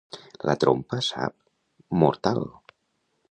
La trompa, sap?, mortal!